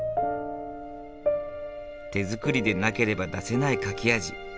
手作りでなければ出せない書き味。